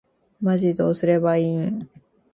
マジでどうすればいいん